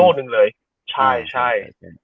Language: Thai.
อีกโลกนึงเลยใช่ใช่